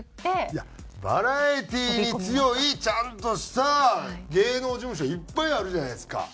いやバラエティーに強いちゃんとした芸能事務所いっぱいあるじゃないですか。